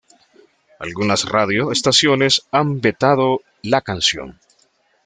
Algunas radio estaciones han vetado la canción.